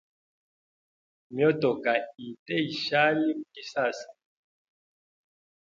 Myotoka ite ishali mu Kinshasa.